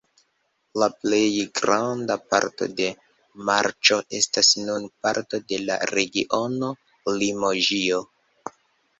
La plej granda parto de Marĉo estas nun parto de la regiono Limoĝio.